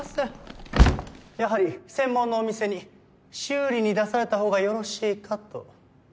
やはり専門のお店に修理に出されたほうがよろしいかと。